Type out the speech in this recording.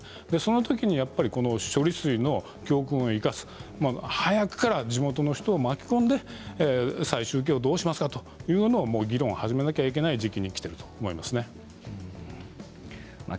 その時にやっぱり処理水の教訓を生かす早くから地元の人を巻き込んで最終形をどうますか？ということを議論し始めなくてはいけない時期になっています。